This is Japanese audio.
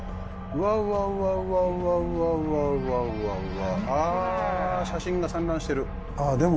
うわうわあっ写真が散乱してるああでも